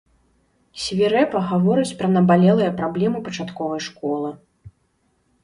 Свірэпа гаворыць пра набалелыя праблемы пачатковай школы.